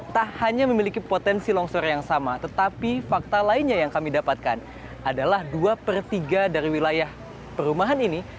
tak hanya memiliki potensi longsor yang sama tetapi fakta lainnya yang kami dapatkan adalah dua per tiga dari wilayah perumahan ini